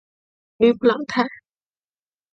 吕普朗泰。